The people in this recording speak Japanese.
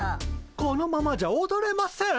このままじゃおどれません。